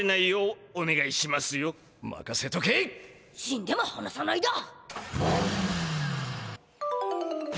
死んでもはなさないだ。